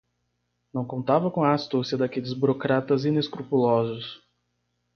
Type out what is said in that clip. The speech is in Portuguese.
Não contava com a astúcia daqueles burocratas inescrupulosos